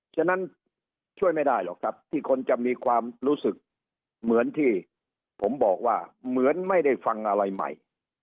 ฉะนั้นช่วยไม่ได้หรอกครับที่คนจะมีความรู้สึกเหมือนที่ผมบอกว่าเหมือนไม่ได้ฟังอะไรใหม่